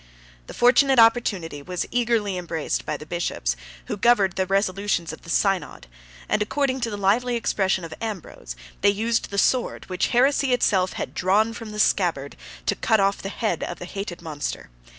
The fortunate opportunity was eagerly embraced by the bishops, who governed the resolutions of the synod; and, according to the lively expression of Ambrose, 56 they used the sword, which heresy itself had drawn from the scabbard, to cut off the head of the hated monster.